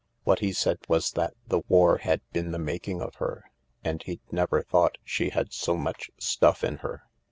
What he said was that the war had been the making of her, and he'd never thought she had so much stuff in her.